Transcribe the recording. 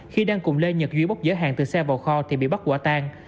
khi đang cùng lê nhật duy bóc giữa hàng từ xe vào kho thì bị bắt quả tàn